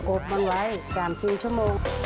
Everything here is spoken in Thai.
โอบมันไว้๓๐ชม